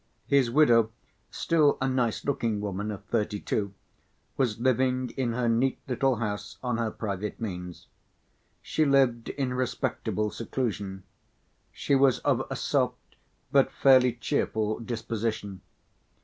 His widow, still a nice‐looking woman of thirty‐two, was living in her neat little house on her private means. She lived in respectable seclusion; she was of a soft but fairly cheerful disposition.